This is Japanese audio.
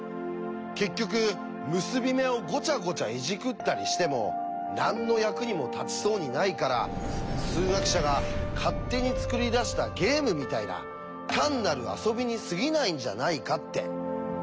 結局結び目をごちゃごちゃいじくったりしても何の役にも立ちそうにないから数学者が勝手に作り出したゲームみたいな単なる遊びにすぎないんじゃないかって。